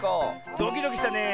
ドキドキしたねえ。